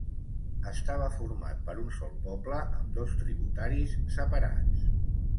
Estava format per un sol poble amb dos tributaris separats.